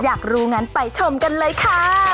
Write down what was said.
อยากรู้งั้นไปชมกันเลยค่ะ